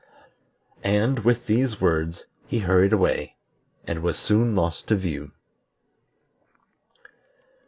And, with these words, he hurried away, and was soon lost to view.